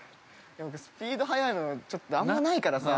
◆スピード速いの、ちょっとあんまないからさ。